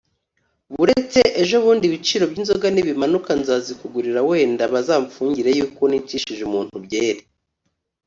buretse ejo bundi ibiciro by’inzoga nibimanuka nzazikugurira wenda bazamfungire y’uko nicishije umuntu byeri”